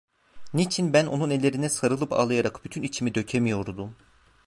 Niçin ben onun ellerine sarılıp ağlayarak bütün içimi dökemiyordum?